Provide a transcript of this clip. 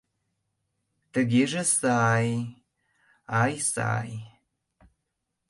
— Тыгеже сай... ай, сай...